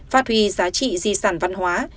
phát huy giá trị di sản văn hóa